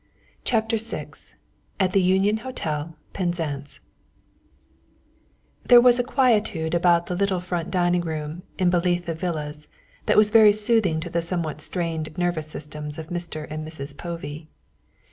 CHAPTER VI AT THE UNION HOTEL, PENZANCE There was a quietude about the little front dining room in Belitha Villas that was very soothing to the somewhat strained nervous systems of Mr. and Mrs. Povey.